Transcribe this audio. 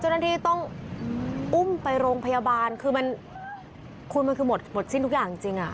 เจ้าหน้าที่ต้องอุ้มไปโรงพยาบาลคือมันหมดที่สิ้นมันจริง